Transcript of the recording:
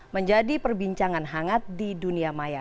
menjadi perbincangan hangat di dunia maya